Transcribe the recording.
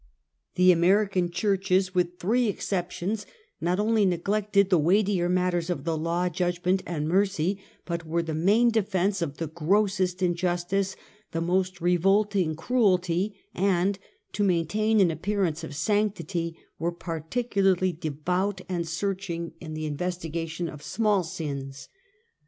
The American churches, with three exceptions, not only neglected "the weightier matters of the law, judgment and mercy," but were the main defense of the grossest in justice, the most revolting cruelty; and, to maintain an appearance of sanctity, were particularly devout and searching in the investigation of small sins.